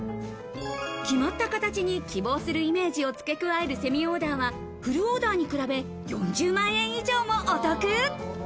決まった形に希望するイメージを付け加えるセミオーダーはフルオーダーに加え４０万円以上もお得。